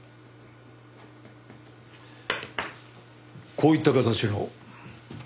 こういった形の。